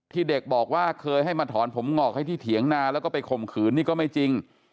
เด็กบอกว่าเคยให้มาถอนผมงอกให้ที่เถียงนาแล้วก็ไปข่มขืนนี่ก็ไม่จริง